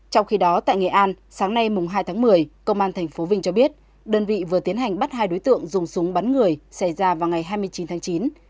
trong khi đó tại nghệ an sáng nay hai tháng một mươi công an tp vinh cho biết đơn vị vừa tiến hành bắt hai đối tượng dùng súng bắn người xảy ra vào ngày hai mươi chín tháng chín